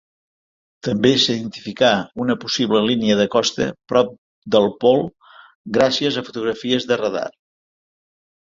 També s'identificà una possible línia de costa prop del pol gràcies a fotografies de radar.